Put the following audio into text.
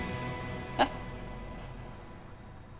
えっ？